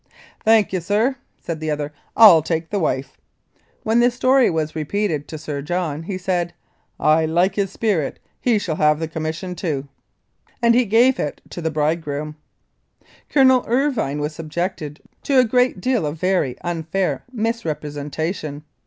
"Thank you, sir," said the other, " I'll take the wife." When this story was repeated to Sir John, he said, " I like his spirit ; he shall have the commission too," and he gave it to the bride groom. Colonel Irvine was subjected to a great deal of very unfair misrepresentation.